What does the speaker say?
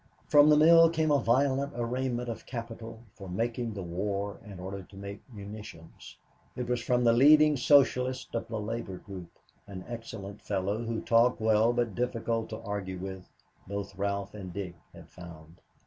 From the mill came a violent arraignment of capital for making the war in order to make munitions. It was from the leading Socialist of the labor group, an excellent fellow who talked well but difficult to argue with, both Ralph and Dick had found.